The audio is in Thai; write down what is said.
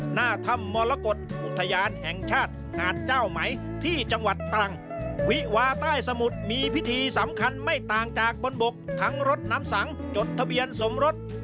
หน้าถ้ำมรกฏอุทยานแห่งชาติหาดเจ้าไหมที่จังหวัดตรังวิวาใต้สมุทรมีพิธีสำคัญไม่ต่างจากบนบกทั้งรถน้ำสังจดทะเบียนสมรส